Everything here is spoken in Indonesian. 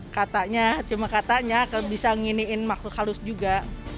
katanya cuma katanya kalau bisa nginiin makhluk halus juga